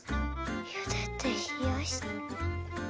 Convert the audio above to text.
ゆでてひやし。